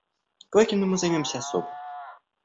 Квакиным мы займемся особо.